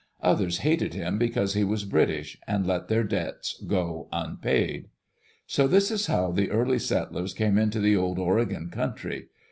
Others hated him because he was British, and let their debts go unpaid. So this is how the early settlers came into the Old Ore gon country.